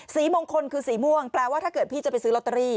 สีมงคลคือสีม่วงแปลว่าถ้าเกิดพี่จะไปซื้อลอตเตอรี่